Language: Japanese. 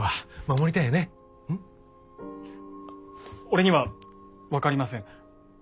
俺には分かりません。